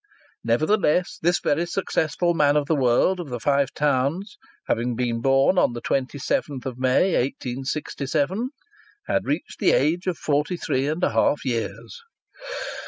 Nevertheless, this very successful man of the world of the Five Towns, having been born on the 27th of May 1867, had reached the age of forty three and a half years!